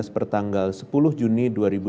pertanggal sepuluh juni dua ribu dua puluh